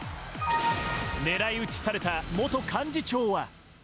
狙い撃ちされた元幹事長は。